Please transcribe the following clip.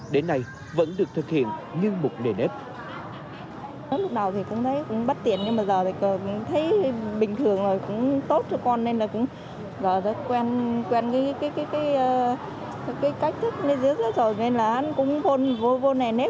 đến nay vẫn được thực hiện như một nề nếp